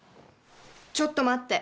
ちょっと待って。